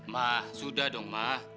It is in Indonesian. ma sudah dong ma